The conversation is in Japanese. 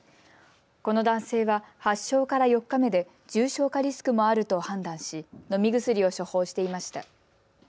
この男性は発症から４日目で重症化リスクもあると判断し、飲み薬を処方していました。